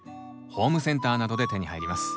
ホームセンターなどで手に入ります。